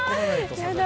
やだ。